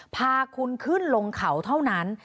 พาคุณขึ้นลงเขาเท่านั้น